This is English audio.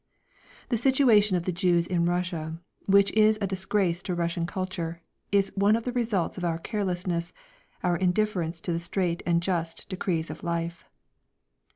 The situation of the Jews in Russia, which is a disgrace to Russian culture, is one of the results of our carelessness, of our indifference to the straight and just decrees of life.